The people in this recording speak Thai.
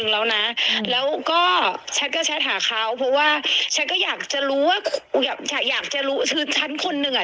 แล้วนะแล้วก็ฉันก็แชทหาเขาเพราะว่าฉันก็อยากจะรู้ว่าอยากจะอยากจะรู้คือฉันคนหนึ่งอ่ะ